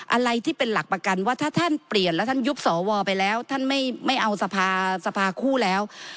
อะไรที่เป็นหลักประกันว่าถ้าท่านเปลี่ยนแล้วท่านยุบสวไปแล้วท่านไม่เอาสภาสภาคู่แล้ว